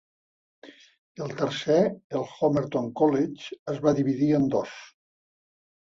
El tercer, el Homerton College, es va dividir en dos.